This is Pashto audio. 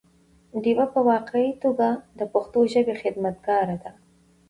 ډيوه په واقعي توګه د پښتو ژبې خدمتګاره ده